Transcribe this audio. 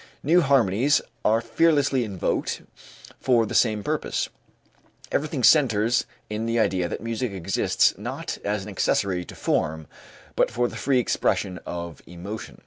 New harmonies are fearlessly invoked for the same purpose. Everything centres in the idea that music exists not as an accessory to form, but for the free expression of emotion.